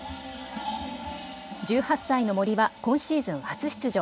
１８歳の森は今シーズン初出場。